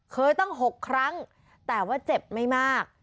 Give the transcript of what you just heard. เคยตั้ง๖ครั้งแต่ว่าเจ็บไม่มาก